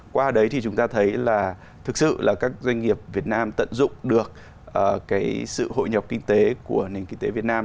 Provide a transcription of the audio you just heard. qua đấy thì chúng ta thấy là thực sự là các doanh nghiệp việt nam tận dụng được cái sự hội nhập kinh tế của nền kinh tế việt nam